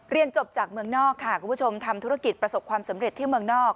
เรียนจบจากเมืองนอกค่ะคุณผู้ชมทำธุรกิจประสบความสำเร็จที่เมืองนอก